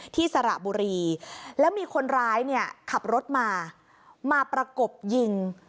ที่สระบุรีแล้วมีคนร้ายขับรถมามาประกบยิง